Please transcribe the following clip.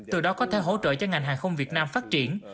từ đó có thể hỗ trợ cho ngành hàng không việt nam phát triển